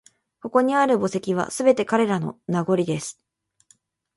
ここにある墓石は、すべて彼らの…名残です